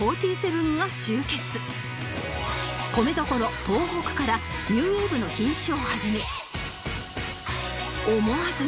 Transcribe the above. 米どころ東北からニューウェーブの品種を始め思わずうなる